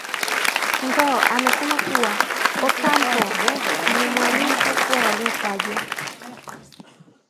ngo amesema kuwa ocampo amemwalifu kuwa waliotajwa